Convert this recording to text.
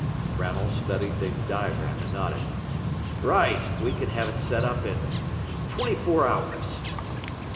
Brownell studied the diagram and nodded. "Right. We can have it set up in twenty four hours."